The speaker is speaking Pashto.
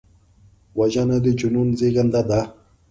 وژنه د جنون زیږنده ده